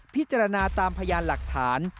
พิจารณาตามพยานหลักฐาน